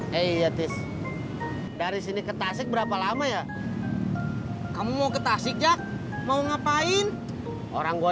hai eh ya tis dari sini ke tasik berapa lama ya kamu mau ke tasik jak mau ngapain orang gua